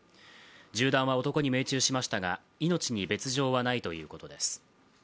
銃弾は男に命中しましたが命に別状はないということです。